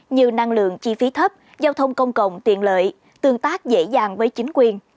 như năng lượng chi phí thấp giao thông công cộng tiện lợi tương tác dễ dàng với chính quyền